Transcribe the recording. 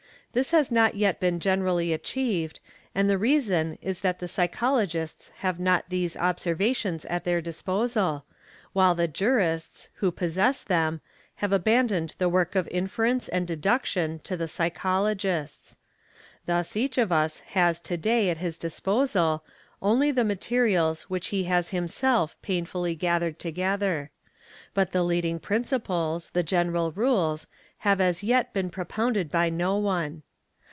This has not | t been generally achieved and the reason is that the psychologists have not these observations at their disposal, while the jurists who possess 88 EXAMINATION OF WITNESSES them, have abandoned the work of inference and deduction to the psychologists. Thus each of us has to day at his disposal only the mate rials which he has himself painfully gathered together ; but the leading principles, the general rules, have as yet been propounded by no one.